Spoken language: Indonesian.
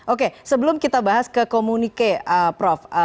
oke sebelum kita bahas ke komunike prof